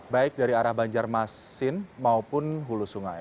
baik dari arah banjarmasin maupun hulu sungai